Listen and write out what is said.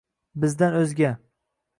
Bizdan o’zga